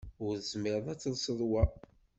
Ur tezmireḍ ad telseḍ wa.